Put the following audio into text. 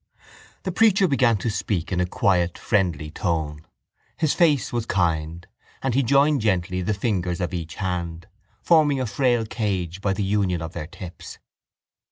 The preacher began to speak in a quiet friendly tone. His face was kind and he joined gently the fingers of each hand, forming a frail cage by the union of their tips.